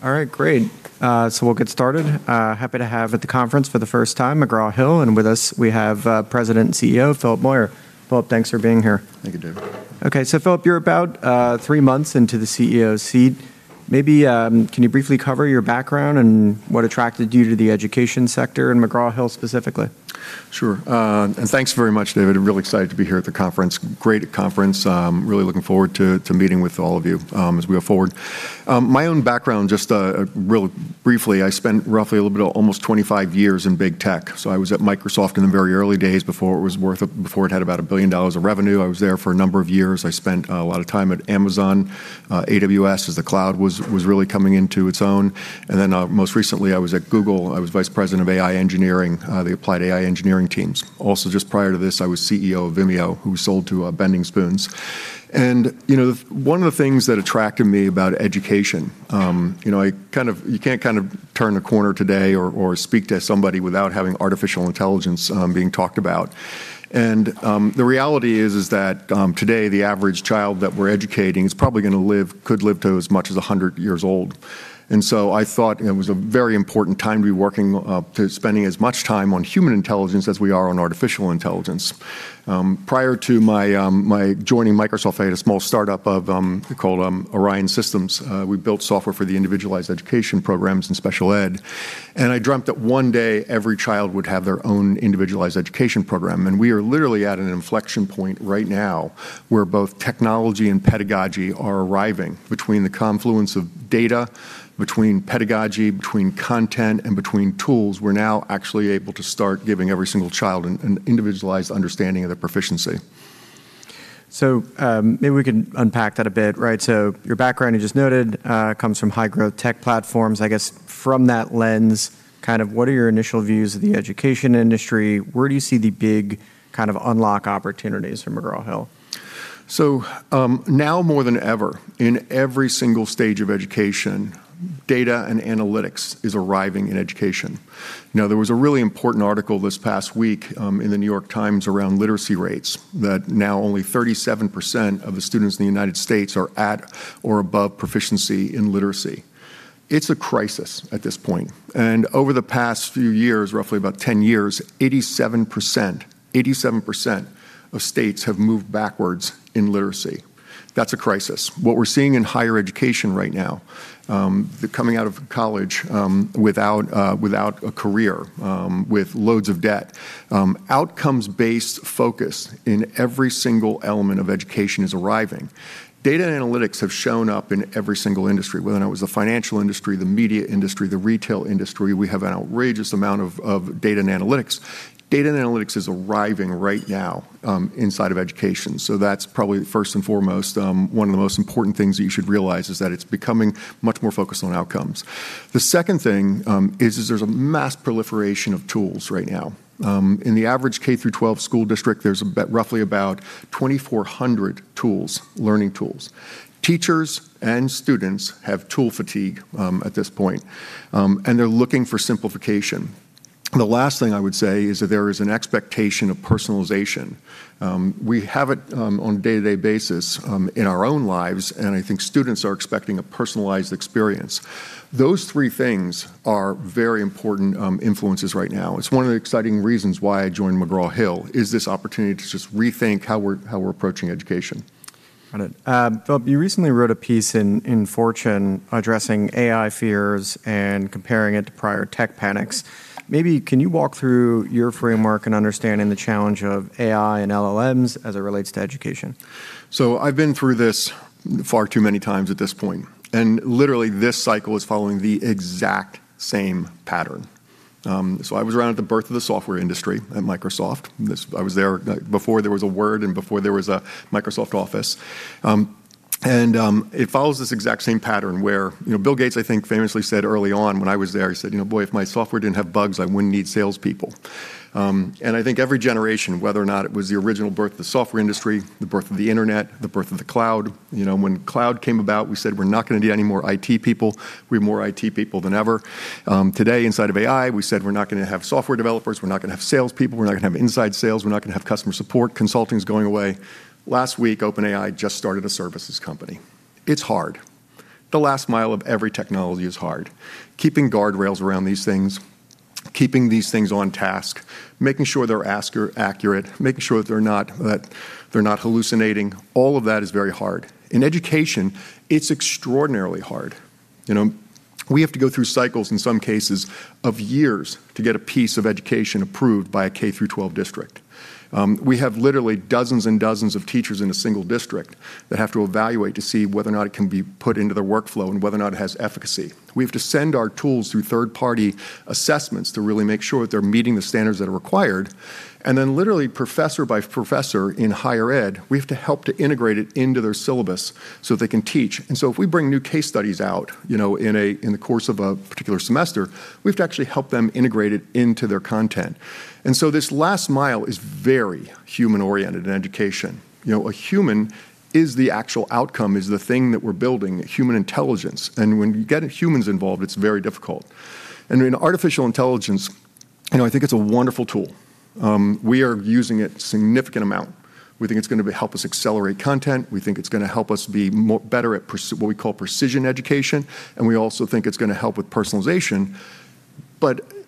All right, great. We'll get started. Happy to have at the conference for the first time, McGraw Hill, and with us we have, President and CEO, Philip Moyer. Philip, thanks for being here. Thank you, David. Okay. Philip, you're about three months into the CEO seat. Maybe, can you briefly cover your background and what attracted you to the education sector and McGraw Hill specifically? Sure. Thanks very much, David. I'm real excited to be here at the conference. Great conference. Really looking forward to meeting with all of you as we go forward. My own background, just real briefly, I spent roughly a little bit of almost 25 years in big tech. I was at Microsoft in the very early days before it had about $1 billion of revenue. I was there for a number of years. I spent a lot of time at Amazon, AWS, as the cloud was really coming into its own. Then most recently I was at Google. I was vice president of AI engineering, the applied AI engineering teams. Also, just prior to this, I was CEO of Vimeo, who sold to Bending Spoons. You know, one of the things that attracted me about education, you know, you can't kind of turn a corner today or speak to somebody without having artificial intelligence being talked about. The reality is that today, the average child that we're educating is probably gonna live, could live to as much as 100 years old. I thought it was a very important time to be working, to spending as much time on human intelligence as we are on artificial intelligence. Prior to my joining Microsoft, I had a small startup of called Orion Systems. We built software for the individualized education programs in special ed, and I dreamt that one day every child would have their own individualized education program. We are literally at an inflection point right now where both technology and pedagogy are arriving between the confluence of data, between pedagogy, between content, and between tools. We're now actually able to start giving every single child an individualized understanding of their proficiency. Maybe we can unpack that a bit, right? Your background you just noted comes from high growth tech platforms. I guess from that lens, kind of what are your initial views of the education industry? Where do you see the big kind of unlock opportunities for McGraw Hill? Now more than ever, in every single stage of education, data and analytics is arriving in education. There was a really important article this past week in The New York Times around literacy rates, that now only 37% of the students in the U.S. are at or above proficiency in literacy. It's a crisis at this point, and over the past few years, roughly about 10 years, 87% of states have moved backwards in literacy. That's a crisis. What we're seeing in higher education right now, they're coming out of college without a career, with loads of debt. Outcomes-based focus in every single element of education is arriving. Data and analytics have shown up in every single industry, whether or not it was the financial industry, the media industry, the retail industry. We have an outrageous amount of data and analytics. Data and analytics is arriving right now inside of education. That's probably first and foremost one of the most important things that you should realize is that it's becoming much more focused on outcomes. The second thing is there's a mass proliferation of tools right now. In the average K-12 school district, there's roughly about 2,400 tools, learning tools. Teachers and students have tool fatigue at this point, and they're looking for simplification. The last thing I would say is that there is an expectation of personalization. We have it on a day-to-day basis in our own lives, and I think students are expecting a personalized experience. Those three things are very important influences right now. It's one of the exciting reasons why I joined McGraw Hill, is this opportunity to just rethink how we're approaching education. Got it. Philip, you recently wrote a piece in Fortune addressing AI fears and comparing it to prior tech panics. Maybe can you walk through your framework and understanding the challenge of AI and LLMs as it relates to education? I've been through this far too many times at this point, and literally this cycle is following the exact same pattern. I was around at the birth of the software industry at Microsoft. This, I was there, before there was a Word and before there was a Microsoft Office. It follows this exact same pattern where, you know, Bill Gates, I think, famously said early on when I was there, he said, "You know, boy, if my software didn't have bugs, I wouldn't need salespeople." I think every generation, whether or not it was the original birth of the software industry, the birth of the internet, the birth of the cloud, you know, when cloud came about, we said we're not gonna need any more IT people. We have more IT people than ever. Today inside of AI, we said we're not gonna have software developers. We're not gonna have salespeople. We're not gonna have inside sales. We're not gonna have customer support. Consulting's going away. Last week, OpenAI just started a services company. It's hard. The last mile of every technology is hard. Keeping guardrails around these things, keeping these things on task, making sure they're accurate, making sure that they're not, they're not hallucinating. All of that is very hard. In education, it's extraordinarily hard. You know, we have to go through cycles in some cases of years to get a piece of education approved by a K-12 district. We have literally dozens and dozens of teachers in a single district that have to evaluate to see whether or not it can be put into their workflow and whether or not it has efficacy. We have to send our tools through third-party assessments to really make sure that they're meeting the standards that are required, and then literally professor by professor in higher ed, we have to help to integrate it into their syllabus so they can teach. If we bring new case studies out, you know, in a, in the course of a particular semester, we have to actually help them integrate it into their content. This last mile is very human-oriented in education. You know, a human is the actual outcome, is the thing that we're building, human intelligence. When you get humans involved, it's very difficult. You know, I think it's a wonderful tool. We are using it significant amount. We think it's gonna help us accelerate content. We think it's gonna help us be more better at what we call precision education. We also think it's gonna help with personalization.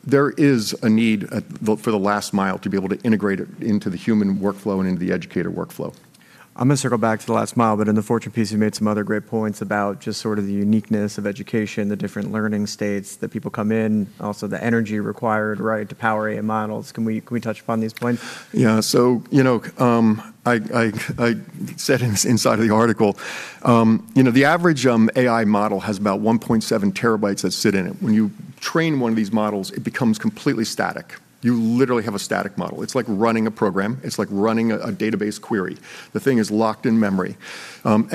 There is a need for the last mile to be able to integrate it into the human workflow and into the educator workflow. I'm gonna circle back to the last mile, but in the Fortune piece, you made some other great points about just sort of the uniqueness of education, the different learning states that people come in, also the energy required, right, to power AI models. Can we touch upon these points? You know, I said inside of the article, you know, the average AI model has about 1.7 TB that sit in it. When you train one of these models, it becomes completely static. You literally have a static model. It's like running a program. It's like running a database query. The thing is locked in memory.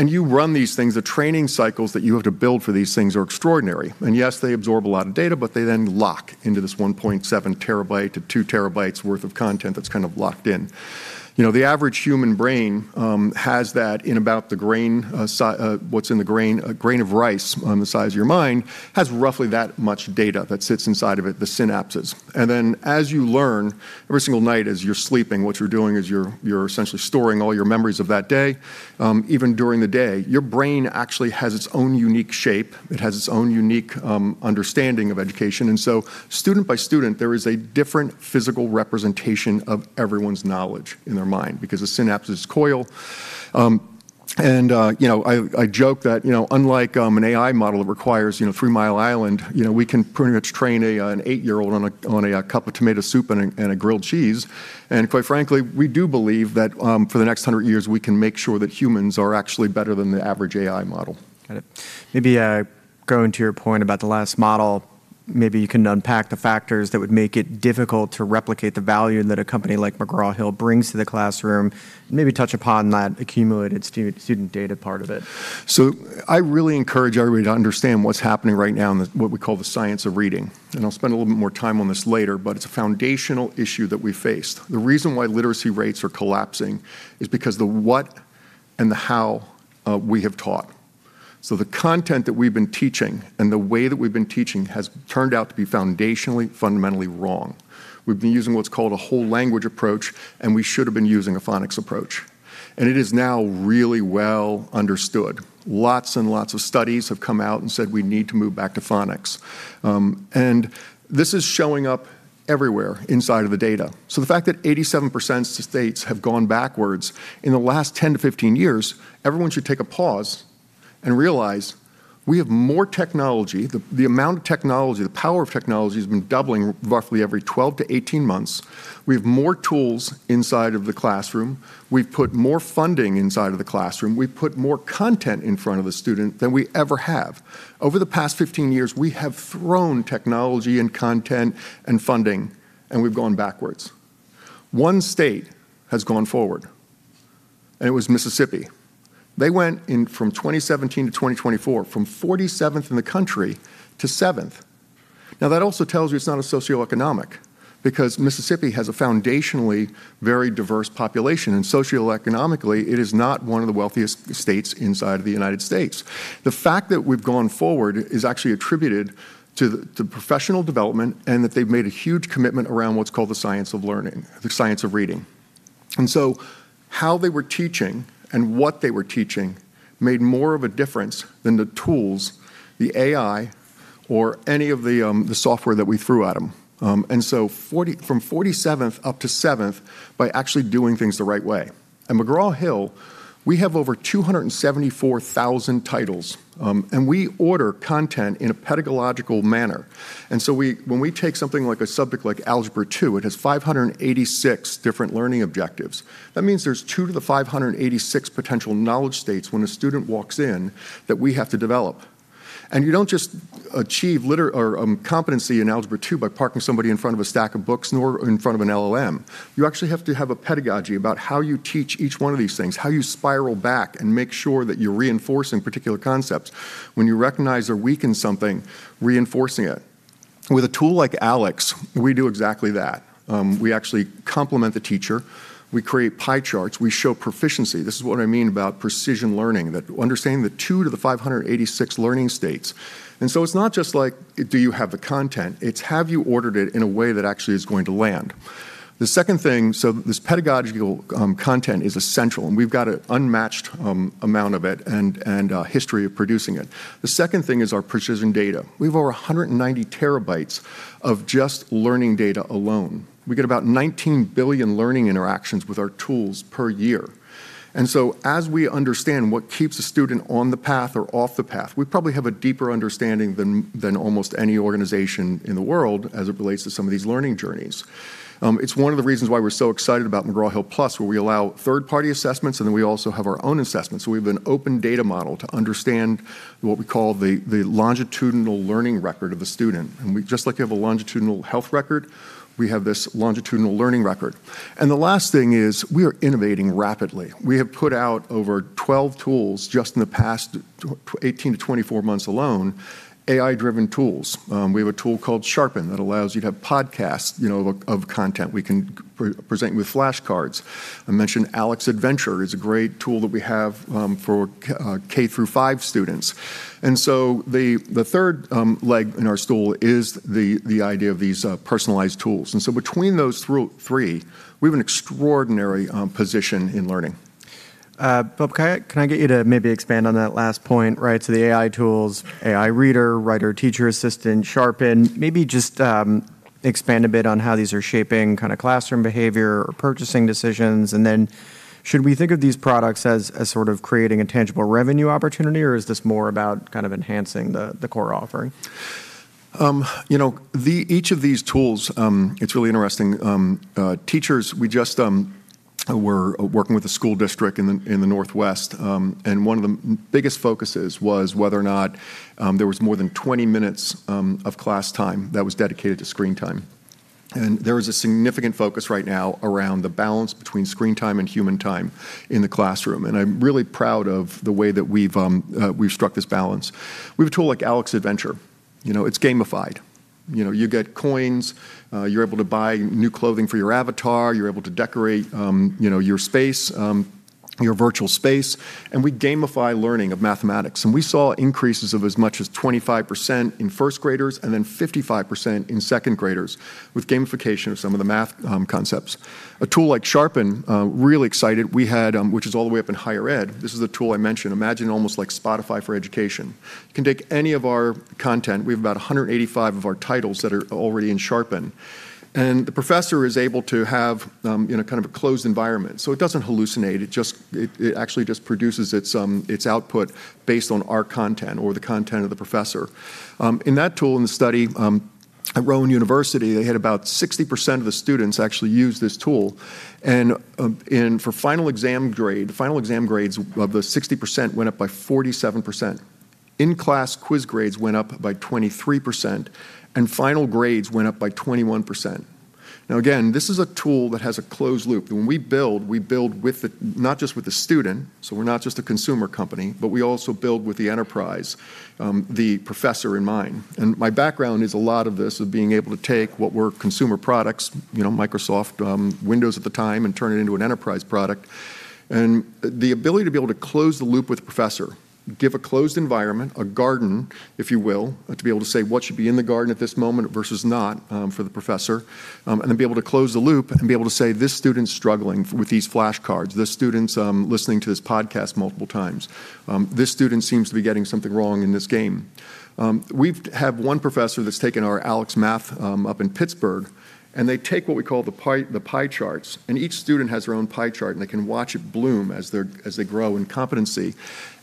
You run these things, the training cycles that you have to build for these things are extraordinary. Yes, they absorb a lot of data, but they then lock into this 1.7 TB to 2 TB worth of content that's kind of locked in. You know, the average human brain has that in about a grain of rice on the size of your mind has roughly that much data that sits inside of it, the synapses. Then as you learn every single night as you're sleeping, what you're doing is you're essentially storing all your memories of that day. Even during the day, your brain actually has its own unique shape. It has its own unique understanding of education. So student by student, there is a different physical representation of everyone's knowledge in their mind because the synapses coil. You know, I joke that, you know, unlike an AI model that requires, you know, Three Mile Island, you know, we can pretty much train an eight-year-old on a cup of tomato soup and a grilled cheese. Quite frankly, we do believe that for the next 100 years, we can make sure that humans are actually better than the average AI model. Got it. Maybe, going to your point about the last model, maybe you can unpack the factors that would make it difficult to replicate the value that a company like McGraw Hill brings to the classroom. Maybe touch upon that accumulated student data part of it. I really encourage everybody to understand what's happening right now in the, what we call the science of reading. I'll spend a little bit more time on this later, but it's a foundational issue that we faced. The reason why literacy rates are collapsing is because the what and the how, we have taught. The content that we've been teaching and the way that we've been teaching has turned out to be foundationally fundamentally wrong. We've been using what's called a whole language approach, and we should have been using a phonics approach, and it is now really well understood. Lots and lots of studies have come out and said we need to move back to phonics. This is showing up everywhere inside of the data. The fact that 87% states have gone backwards in the last 10-15 years, everyone should take a pause and realize we have more technology. The amount of technology, the power of technology has been doubling roughly every 12-18 months. We have more tools inside of the classroom. We've put more funding inside of the classroom. We've put more content in front of the student than we ever have. Over the past 15 years, we have thrown technology and content and funding, and we've gone backwards. One state has gone forward, and it was Mississippi. They went in from 2017 to 2024, from 47th in the country to seventh. That also tells you it's not a socioeconomic because Mississippi has a foundationally very diverse population, and socioeconomically it is not one of the wealthiest states inside of the United States. The fact that we've gone forward is actually attributed to professional development and that they've made a huge commitment around what's called the science of learning, the science of reading. How they were teaching and what they were teaching made more of a difference than the tools, the AI or any of the software that we threw at them. From 47th up to seventh by actually doing things the right way. At McGraw Hill, we have over 274,000 titles, and we order content in a pedagogical manner. When we take something like a subject like Algebra 2, it has 586 different learning objectives. That means there's two to the 586 potential knowledge states when a student walks in that we have to develop. You don't just achieve competency in Algebra 2 by parking somebody in front of a stack of books, nor in front of an LLM. You actually have to have a pedagogy about how you teach each one of these things, how you spiral back and make sure that you're reinforcing particular concepts. When you recognize or weaken something, reinforcing it. With a tool like ALEKS, we do exactly that. We actually complement the teacher. We create pie charts. We show proficiency. This is what I mean about precision learning, that understanding the two to the 586 learning states. It's not just like, do you have the content? It's have you ordered it in a way that actually is going to land. The second thing, so this pedagogical content is essential, and we've got an unmatched amount of it and history of producing it. The second thing is our precision data. We have over 190 TB of just learning data alone. We get about 19 billion learning interactions with our tools per year. So, as we understand what keeps a student on the path or off the path, we probably have a deeper understanding than almost any organization in the world as it relates to some of these learning journeys. It's one of the reasons why we're so excited about McGraw Hill Plus, where we allow third-party assessments, and then we also have our own assessments. We have an open data model to understand what we call the longitudinal learning record of the student. We just like you have a longitudinal health record, we have this longitudinal learning record. The last thing is we are innovating rapidly. We have put out over 12 tools just in the past 18-24 months alone, AI-driven tools. We have a tool called Sharpen that allows you to have podcasts, you know, of content we can pre-present with flashcards. I mentioned ALEKS Adventure is a great tool that we have for K-5 students. The third leg in our stool is the idea of these personalized tools. Between those three, we have an extraordinary position in learning. Phil, can I get you to maybe expand on that last point, right? The AI tools, AI Reader, writer, teacher assistant, Sharpen, maybe just expand a bit on how these are shaping kind of classroom behavior or purchasing decisions, should we think of these products as sort of creating a tangible revenue opportunity, or is this more about kind of enhancing the core offering? You know, each of these tools, it's really interesting. Teachers, we just were working with a school district in the Northwest. One of the biggest focuses was whether or not there was more than 20 minutes of class time that was dedicated to screen time. There is a significant focus right now around the balance between screen time and human time in the classroom, and I'm really proud of the way that we've struck this balance. We have a tool like ALEKS Adventure, you know, it's gamified. You know, you get coins. You're able to buy new clothing for your avatar. You're able to decorate, you know, your space, your virtual space, and we gamify learning of mathematics. We saw increases of as much as 25% in first graders and then 55% in second graders with gamification of some of the math concepts. A tool like Sharpen, really excited. We had, which is all the way up in higher ed. This is a tool I mentioned. Imagine almost like Spotify for education. Can take any of our content. We have about 185 of our titles that are already in Sharpen. The professor is able to have, you know, kind of a closed environment. It doesn't hallucinate. It just actually just produces its output based on our content or the content of the professor. In that tool, in the study, at Rowan University, they had about 60% of the students actually use this tool. For final exam grade, final exam grades of the 60% went up by 47%. In-class quiz grades went up by 23%, and final grades went up by 21%. Again, this is a tool that has a closed loop. When we build, we build not just with the student, so we're not just a consumer company, but we also build with the enterprise, the professor in mind. My background is a lot of this, of being able to take what were consumer products, you know, Microsoft Windows at the time, and turn it into an enterprise product. The ability to be able to close the loop with the professor, give a closed environment, a garden, if you will, to be able to say what should be in the garden at this moment versus not, for the professor, and then be able to close the loop and be able to say, "This student's struggling with these flashcards. This student's listening to this podcast multiple times. This student seems to be getting something wrong in this game." We have one professor that's taken our ALEKS math up in Pittsburgh, and they take what we call the pie charts, and each student has their own pie chart, and they can watch it bloom as they grow in competency.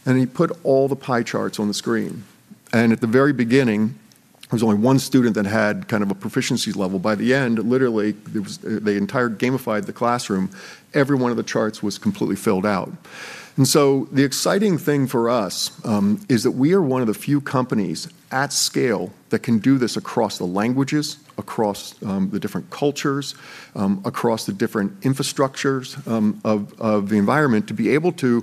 He put all the pie charts on the screen. At the very beginning, there was only one student that had kind of a proficiency level. By the end, literally, it was, they entire gamified the classroom. Every one of the charts was completely filled out. The exciting thing for us is that we are one of the few companies at scale that can do this across the languages, across the different cultures, across the different infrastructures of the environment, to be able to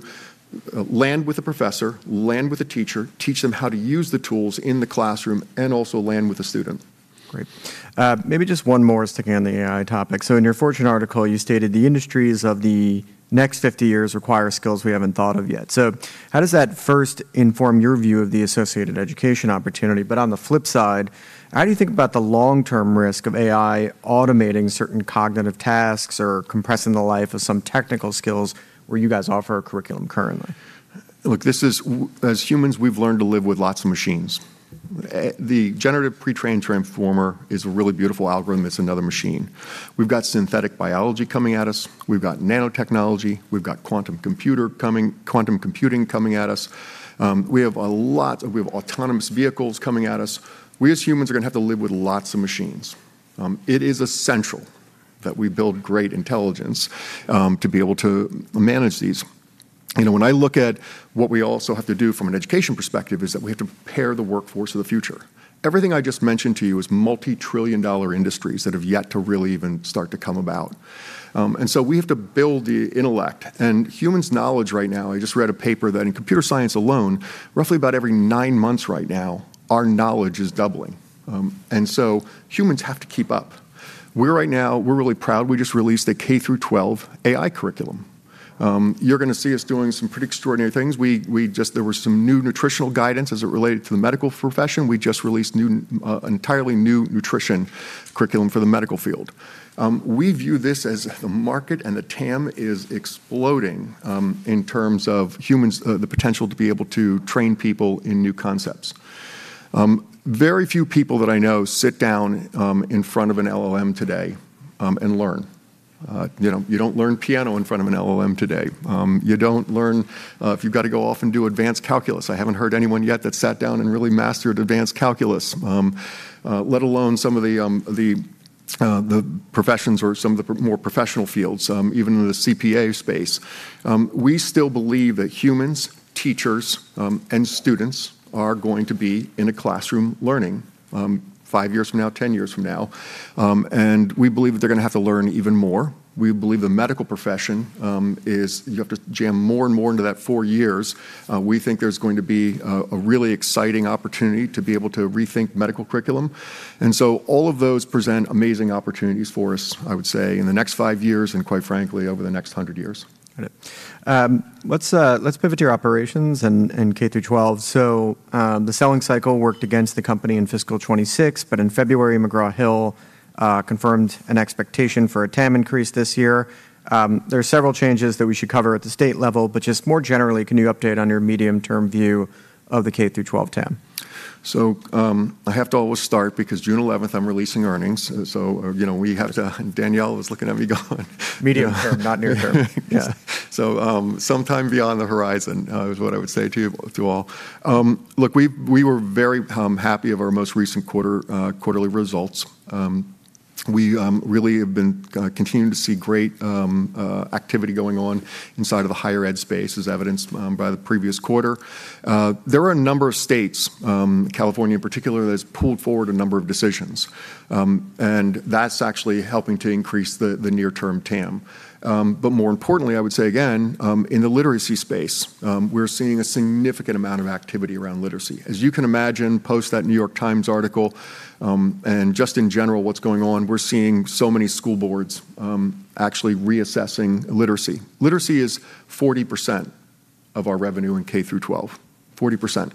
land with a professor, land with a teacher, teach them how to use the tools in the classroom, and also land with a student. Great. Maybe just one more sticking on the AI topic. In your Fortune article, you stated, "The industries of the next 50 years require skills we haven't thought of yet." How does that first inform your view of the associated education opportunity? On the flip side, how do you think about the long-term risk of AI automating certain cognitive tasks or compressing the life of some technical skills where you guys offer a curriculum currently? Look, as humans, we've learned to live with lots of machines. The Generative Pre-trained Transformer is a really beautiful algorithm that's another machine. We've got synthetic biology coming at us. We've got nanotechnology. We've got quantum computing coming at us. We have autonomous vehicles coming at us. We as humans are gonna have to live with lots of machines. It is essential that we build great intelligence to be able to manage these. You know, when I look at what we also have to do from an education perspective is that we have to prepare the workforce of the future. Everything I just mentioned to you is multi-trillion-dollar industries that have yet to really even start to come about. We have to build the intellect. Humans' knowledge right now, I just read a paper that in computer science alone, roughly about every nine months right now, our knowledge is doubling. Humans have to keep up. We're right now, we're really proud. We just released a K-12 AI curriculum. You're gonna see us doing some pretty extraordinary things. We just, there were some new nutritional guidance as it related to the medical profession. We just released entirely new nutrition curriculum for the medical field. We view this as the market and the TAM is exploding, in terms of humans, the potential to be able to train people in new concepts. Very few people that I know sit down, in front of an LLM today, and learn. You know, you don't learn piano in front of an LLM today. You don't learn if you've got to go off and do advanced calculus. I haven't heard anyone yet that sat down and really mastered advanced calculus, let alone some of the professions or some of the more professional fields, even in the CPA space. We still believe that humans, teachers, and students are going to be in a classroom learning five years from now, 10 years from now. We believe that they're gonna have to learn even more. We believe the medical profession is you have to jam more and more into that four years. We think there's going to be a really exciting opportunity to be able to rethink medical curriculum. All of those present amazing opportunities for us, I would say, in the next five years and, quite frankly, over the next 100 years. Got it. Let's pivot to your operations and K-12. The selling cycle worked against the company in fiscal 2026, but in February, McGraw Hill confirmed an expectation for a TAM increase this year. There are several changes that we should cover at the state level, but just more generally, can you update on your medium-term view of the K-12 TAM? I have to always start because June 11th I'm releasing earnings. You know, Danielle was looking at me going. Medium-term, not near-term. Yeah. Yeah. Sometime beyond the horizon is what I would say to you all. Look, we were very happy of our most recent quarter quarterly results. We really have been continuing to see great activity going on inside of the higher ed space as evidenced by the previous quarter. There are a number of states, California in particular, that's pulled forward a number of decisions. And that's actually helping to increase the near-term TAM. But more importantly, I would say again, in the literacy space, we're seeing a significant amount of activity around literacy. As you can imagine, post that New York Times article, and just in general what's going on, we're seeing so many school boards actually reassessing literacy. Literacy is 40% of our revenue in K-12. 40%.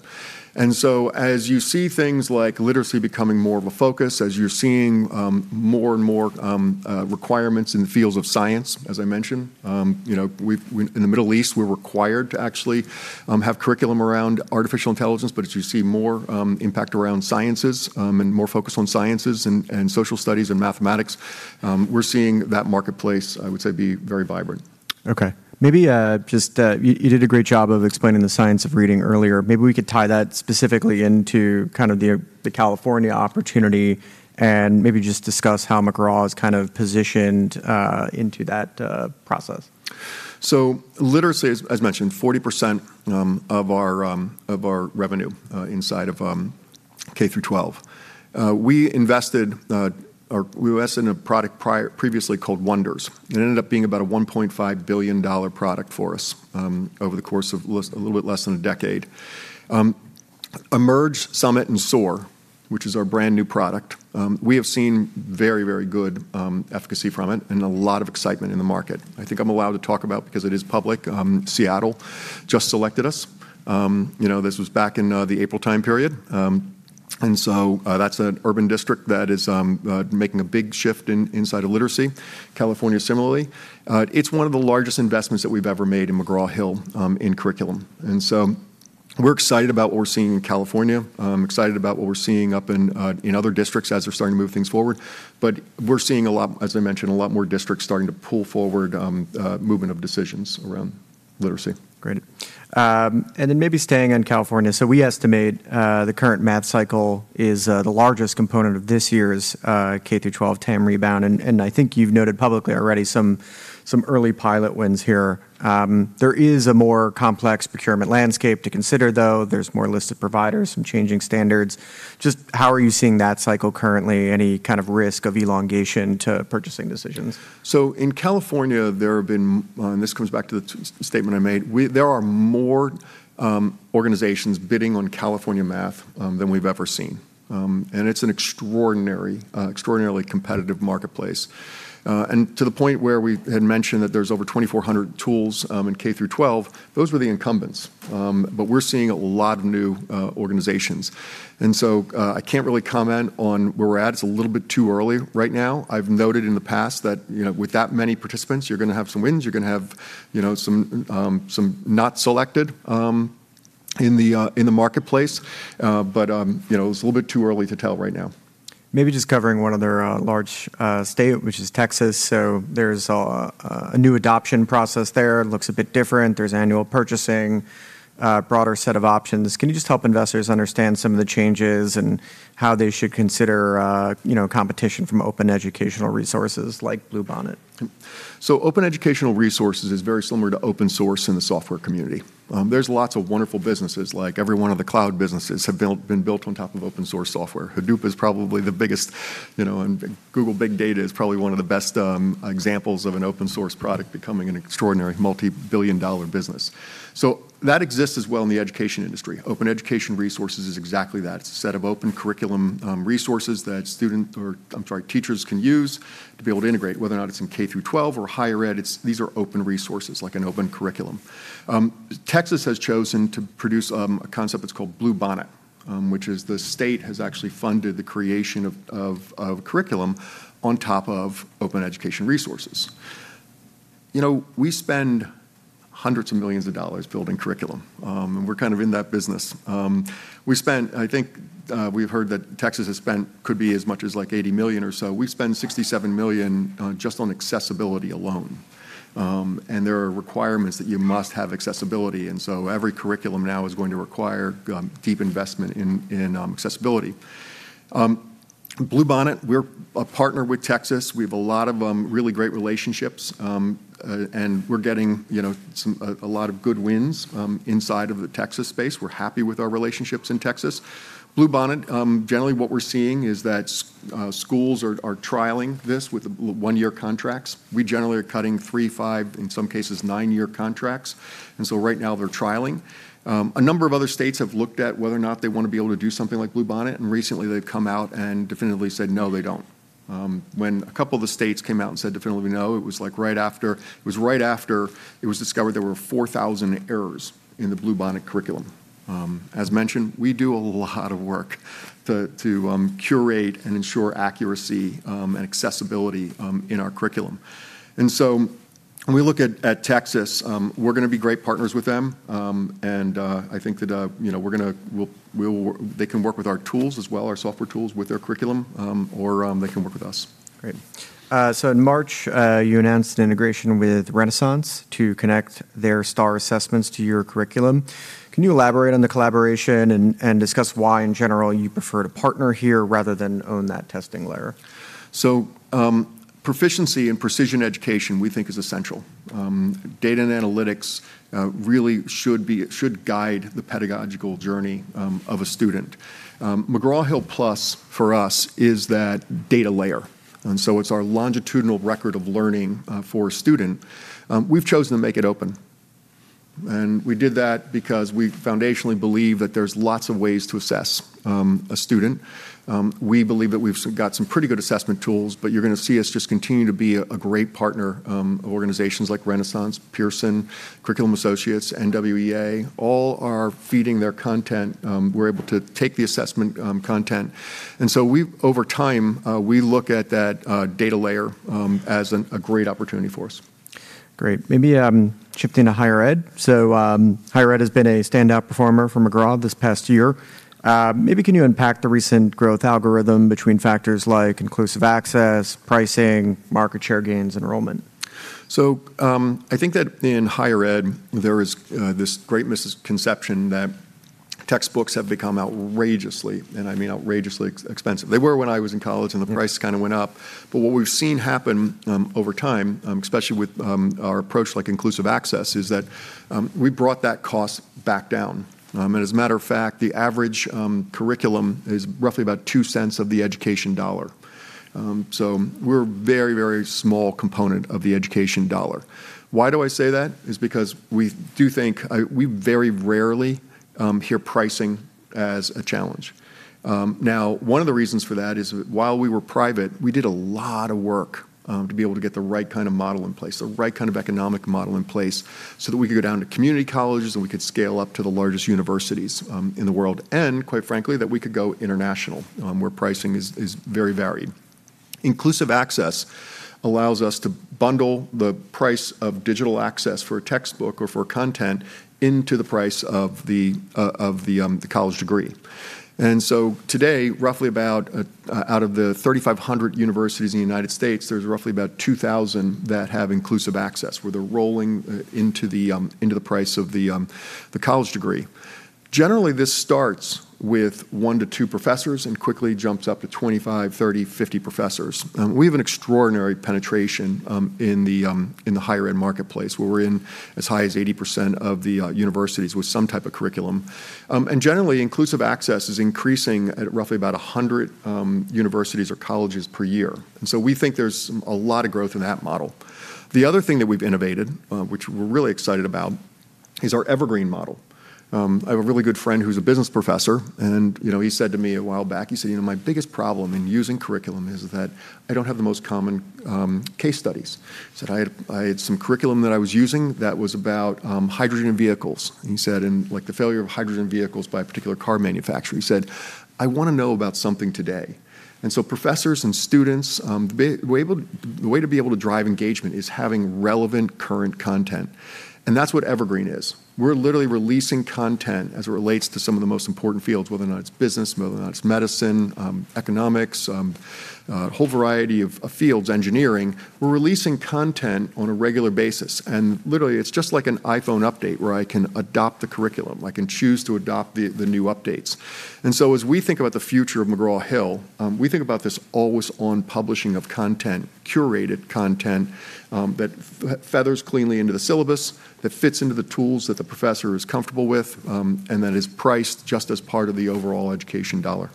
As you see things like literacy becoming more of a focus, as you're seeing more and more requirements in the fields of science, as I mentioned, you know, in the Middle East we're required to actually have curriculum around artificial intelligence. As you see more impact around sciences, and more focus on sciences and social studies and mathematics, we're seeing that marketplace, I would say, be very vibrant. Okay. Maybe, just, you did a great job of explaining the science of reading earlier. Maybe we could tie that specifically into kind of the California opportunity and maybe just discuss how McGraw is kind of positioned into that process. Literacy is, as mentioned, 40% of our revenue inside of K-12. We invested in a product previously called Wonders. It ended up being about a $1.5 billion product for us over the course of a little bit less than a decade. Emerge!, Summit!, and Soar!, which is our brand-new product, we have seen very good efficacy from it and a lot of excitement in the market. I think I'm allowed to talk about because it is public, Seattle just selected us. You know, this was back in the April time period. That's an urban district that is making a big shift inside of literacy. California similarly. It's one of the largest investments that we've ever made in McGraw Hill in curriculum. We're excited about what we're seeing in California, excited about what we're seeing up in other districts as they're starting to move things forward. We're seeing a lot, as I mentioned, a lot more districts starting to pull forward movement of decisions around literacy. Great. Maybe staying in California. We estimate the current math cycle is the largest component of this year's K-12 TAM rebound. I think you've noted publicly already some early pilot wins here. There is a more complex procurement landscape to consider though. There's more listed providers, some changing standards. Just how are you seeing that cycle currently? Any kind of risk of elongation to purchasing decisions? In California there have been, and this comes back to the statement I made. We, there are more organizations bidding on California math than we've ever seen. It's an extraordinary, extraordinarily competitive marketplace. To the point where we had mentioned that there's over 2,400 tools in K-12, those were the incumbents. We're seeing a lot of new organizations. I can't really comment on where we're at. It's a little bit too early right now. I've noted in the past that, you know, with that many participants, you're gonna have some wins. You're gonna have, you know, some not selected in the in the marketplace. You know, it's a little bit too early to tell right now. Maybe just covering one other large state, which is Texas. There's a new adoption process there. It looks a bit different. There's annual purchasing, broader set of options. Can you just help investors understand some of the changes and how they should consider, you know, competition from open educational resources like Bluebonnet? Open educational resources is very similar to open source in the software community. There's lots of wonderful businesses, like every one of the cloud businesses been built on top of open-source software. Hadoop is probably the biggest, you know, and Google BigQuery is probably one of the best examples of an open source product becoming an extraordinary multi-billion dollar business. That exists as well in the education industry. Open educational resources is exactly that. It's a set of open curriculum resources that teachers can use to be able to integrate. Whether or not it's in K-12 or higher ed, these are open resources like an open curriculum. Texas has chosen to produce a concept that's called Bluebonnet, which is the state has actually funded the creation of curriculum on top of open educational resources. You know, we spend hundreds of millions of dollars building curriculum. We're kind of in that business. We spent, I think, we've heard that Texas has spent, could be as much as $80 million or so. We spend $67 million just on accessibility alone. There are requirements that you must have accessibility, every curriculum now is going to require deep investment in accessibility. Bluebonnet, we're a partner with Texas. We have a lot of really great relationships. We're getting, you know, some a lot of good wins inside of the Texas space. We're happy with our relationships in Texas. Bluebonnet, generally what we're seeing is that schools are trialing this with one-year contracts. We generally are cutting three, five, in some cases nine-year contracts. Right now they're trialing. A number of other states have looked at whether or not they wanna be able to do something like Bluebonnet, and recently they've come out and definitively said no, they don't. When a couple of the states came out and said definitively no, it was right after it was discovered there were 4,000 errors in the Bluebonnet curriculum. As mentioned, we do a lot of work to curate and ensure accuracy and accessibility in our curriculum. When we look at Texas, we're gonna be great partners with them. I think that, you know, they can work with our tools as well, our software tools with their curriculum, or, they can work with us. Great. In March, you announced an integration with Renaissance to connect their Star Assessments to your curriculum. Can you elaborate on the collaboration and discuss why in general you prefer to partner here rather than own that testing layer? Proficiency in precision education we think is essential. Data and analytics really should guide the pedagogical journey of a student. McGraw Hill Plus for us is that data layer, and so it's our longitudinal learning record for a student. We've chosen to make it open, and we did that because we foundationally believe that there's lots of ways to assess a student. We believe that we've got some pretty good assessment tools, but you're gonna see us just continue to be a great partner of organizations like Renaissance, Pearson, Curriculum Associates, NWEA, all are feeding their content. We're able to take the assessment content. We over time, we look at that data layer as a great opportunity for us. Great. Maybe, shifting to higher ed. Higher ed has been a standout performer for McGraw this past year. Maybe can you unpack the recent growth algorithm between factors like inclusive access, pricing, market share gains, enrollment? I think that in higher ed, there is this great misconception that textbooks have become outrageously, and I mean outrageously expensive. They were when I was in college. The price kinda went up. What we've seen happen over time, especially with our approach like inclusive access, is that we brought that cost back down. As a matter of fact, the average curriculum is roughly about $0.02 of the education dollar. We're a very, very small component of the education dollar. Why do I say that? Because we do think, we very rarely hear pricing as a challenge. Now one of the reasons for that is while we were private, we did a lot of work to be able to get the right kinda model in place, the right kind of economic model in place so that we could go down to community colleges, and we could scale up to the largest universities in the world. Quite frankly, that we could go international, where pricing is very varied. Inclusive access allows us to bundle the price of digital access for a textbook or for content into the price of the college degree. Today, roughly about out of the 3,500 universities in the U.S., there's roughly about 2,000 that have inclusive access, where they're rolling into the price of the college degree. Generally, this starts with one to two professors and quickly jumps up to 25, 30, 50 professors. We have an extraordinary penetration in the higher ed marketplace, where we're in as high as 80% of the universities with some type of curriculum. Generally, inclusive access is increasing at roughly about 100 universities or colleges per year. We think there's a lot of growth in that model. The other thing that we've innovated, which we're really excited about, is our Evergreen model. I have a really good friend who's a business professor and, you know, he said to me a while back, he said, "You know, my biggest problem in using curriculum is that I don't have the most common case studies." He said, "I had some curriculum that I was using that was about hydrogen vehicles." He said, "Like, the failure of hydrogen vehicles by a particular car manufacturer." He said, "I wanna know about something today." Professors and students, the way to be able to drive engagement is having relevant current content, and that's what Evergreen is. We're literally releasing content as it relates to some of the most important fields, whether or not it's business, whether or not it's medicine, economics, a whole variety of fields, engineering. We're releasing content on a regular basis, literally, it's just like an iPhone update where I can adopt the curriculum. I can choose to adopt the new updates. As we think about the future of McGraw Hill, we think about this always on publishing of content, curated content, that feathers cleanly into the syllabus, that fits into the tools that the professor is comfortable with, and that is priced just as part of the overall education dollar.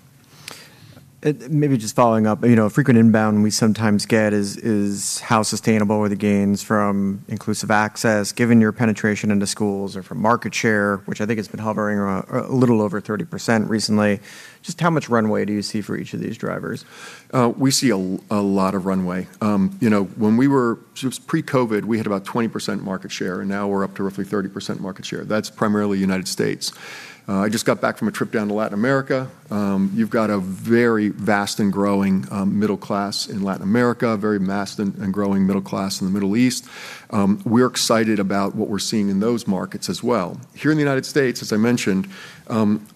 Maybe just following up. You know, a frequent inbound we sometimes get is how sustainable are the gains from inclusive access, given your penetration into schools or from market share, which I think has been hovering around a little over 30% recently. How much runway do you see for each of these drivers? We see a lot of runway. You know, when we were pre-COVID, we had about 20% market share, and now we're up to roughly 30% market share. That's primarily United States. I just got back from a trip down to Latin America. You've got a very vast and growing middle class in Latin America, very vast and growing middle class in the Middle East. We're excited about what we're seeing in those markets as well. Here in the United States, as I mentioned,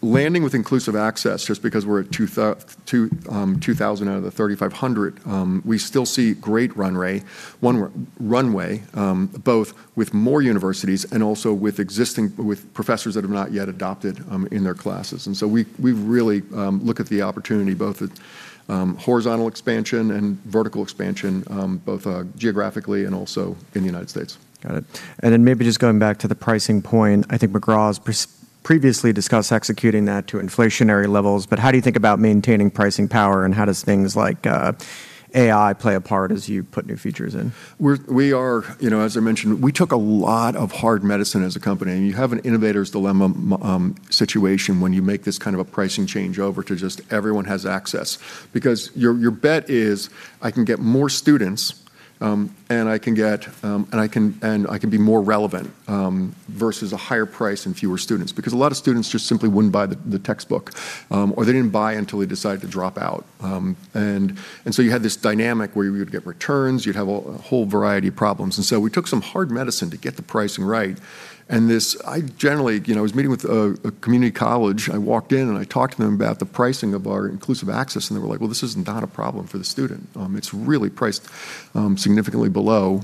landing with inclusive access, just because we're at 2,000 out of the 3,500, we still see great runway, both with more universities and also with existing professors that have not yet adopted in their classes. We really look at the opportunity both at horizontal expansion and vertical expansion, both geographically and also in the United States. Got it. Maybe just going back to the pricing point. I think McGraw previously discussed executing that to inflationary levels. How do you think about maintaining pricing power, and how does things like AI play a part as you put new features in? We are, you know, as I mentioned, we took a lot of hard medicine as a company. You have an innovator's dilemma situation when you make this kind of a pricing change over to just everyone has access. Because your bet is, I can get more students, and I can be more relevant versus a higher price and fewer students. Because a lot of students just simply wouldn't buy the textbook, or they didn't buy until they decided to drop out. So, you had this dynamic where you would get returns, you'd have a whole variety of problems. We took some hard medicine to get the pricing right. This, I generally, you know, I was meeting with a community college. I walked in and I talked to them about the pricing of our inclusive access, and they were like, "Well, this is not a problem for the student. It's really priced significantly below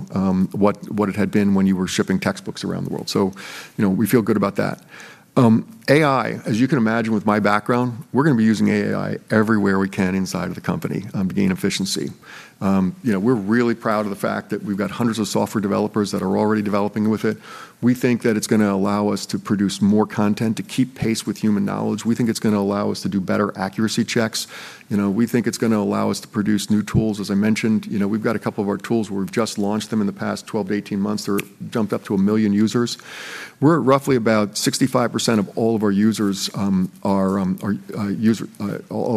what it had been when you were shipping textbooks around the world." You know, we feel good about that. AI, as you can imagine with my background, we're gonna be using AI everywhere we can inside of the company to gain efficiency. You know, we're really proud of the fact that we've got hundreds of software developers that are already developing with it. We think that it's gonna allow us to produce more content to keep pace with human knowledge. We think it's gonna allow us to do better accuracy checks. You know, we think it's gonna allow us to produce new tools, as I mentioned. You know, we've got a couple of our tools where we've just launched them in the past 12 to 18 months that are jumped up to 1 million users. We're at roughly about 65% of all of our users, all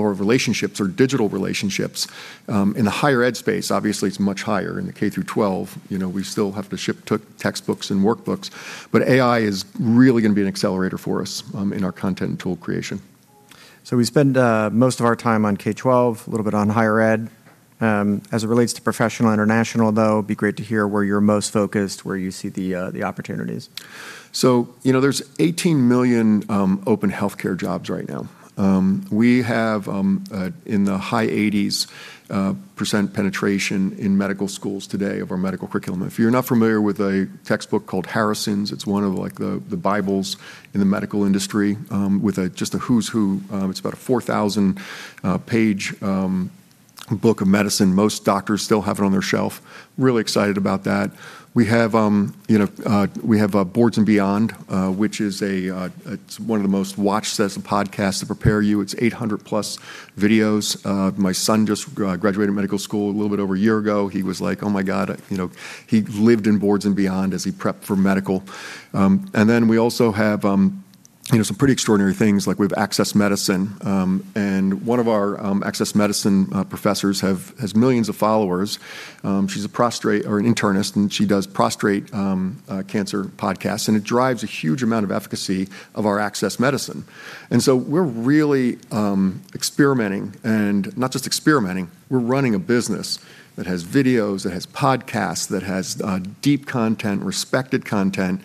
our relationships are digital relationships. In the higher ed space, obviously it's much higher. In the K-12, you know, we still have to ship textbooks and workbooks. AI is really gonna be an accelerator for us in our content and tool creation. We spend, most of our time on K-12, a little bit on higher ed. As it relates to professional and international, though, it would be great to hear where you are most focused, where you see the opportunities. You know, there's 18 million open healthcare jobs right now. We have in the high 80s percent penetration in medical schools today of our medical curriculum. If you're not familiar with a textbook called Harrison's, it's one of, like, the bibles in the medical industry, with just a who's who. It's about a 4,000-page book of medicine. Most doctors still have it on their shelf. Really excited about that. We have, you know, we have Boards and Beyond, which is one of the most watched sets of podcasts to prepare you. It's 800+ videos. My son just graduated medical school a little bit over a year ago. He was like, "Oh, my God," you know. He lived in Boards and Beyond as he prepped for medical. We also have, you know, some pretty extraordinary things, like we have AccessMedicine. One of our AccessMedicine professors has millions of followers. She's a prostate or an internist, and she does prostate cancer podcasts, and it drives a huge amount of efficacy of our AccessMedicine. We're really experimenting, and not just experimenting. We're running a business that has videos, that has podcasts, that has deep content, respected content.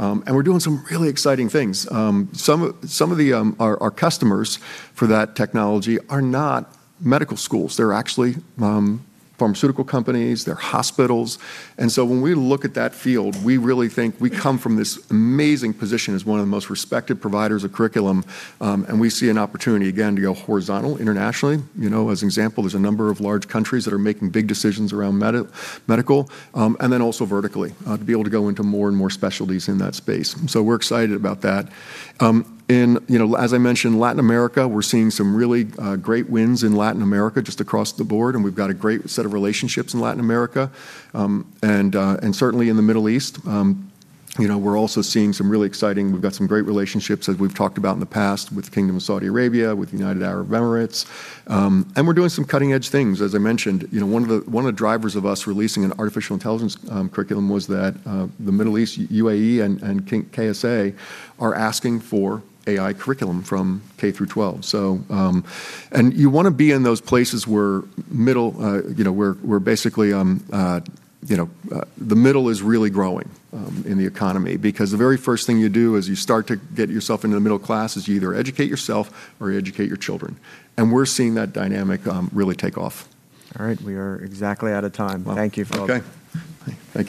We're doing some really exciting things. Some of our customers for that technology are not medical schools. They're actually pharmaceutical companies, they're hospitals. When we look at that field, we really think we come from this amazing position as one of the most respected providers of curriculum, and we see an opportunity, again, to go horizontal internationally. You know, as an example, there's a number of large countries that are making big decisions around medical. Also vertically, to be able to go into more and more specialties in that space. We're excited about that. In, you know, as I mentioned, Latin America, we're seeing some really great wins in Latin America just across the board, and we've got a great set of relationships in Latin America. Certainly, in the Middle East, you know, we're also seeing some really exciting. We've got some great relationships as we've talked about in the past with the kingdom of Saudi Arabia, with the United Arab Emirates. We're doing some cutting-edge things. As I mentioned, you know, one of the drivers of us releasing an artificial intelligence curriculum was that the Middle East, UAE and KSA are asking for AI curriculum from K-12. You wanna be in those places where middle, you know, where basically, you know, the middle is really growing in the economy. The very first thing you do as you start to get yourself into the middle class is you either educate yourself or educate your children, and we're seeing that dynamic really take off. All right. We are exactly out of time. Wow. Thank you, folks. Okay. Thank you.